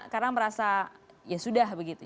karena merasa ya sudah begitu